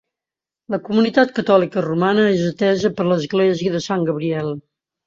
La comunitat catòlica romana és atesa per l'església de Sant Gabriel.